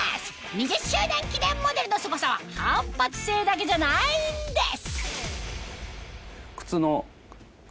２０周年記念モデルのすごさは反発性だけじゃないんです